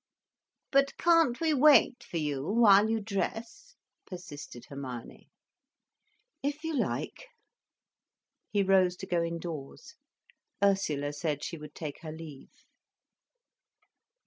"But can't we wait for you while you dress?" persisted Hermione. "If you like." He rose to go indoors. Ursula said she would take her leave.